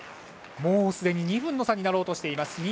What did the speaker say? もうすでに２分の差になろうとしています。